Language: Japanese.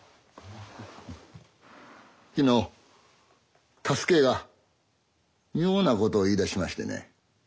昨日太助が妙なことを言いだしましてね。